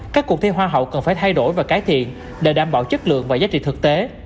các cuộc thi hoa hậu cần phải thay đổi và cải thiện để đảm bảo chất lượng và giá trị thực tế